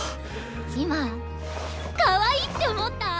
今かわいいって思った？